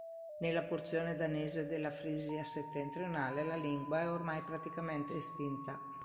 Nella porzione danese della Frisia settentrionale la lingua è ormai praticamente estinta.